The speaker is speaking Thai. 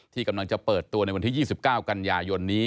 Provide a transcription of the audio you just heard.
ที่กำลังจะเปิดตัวในวันที่๒๙กันยายนนี้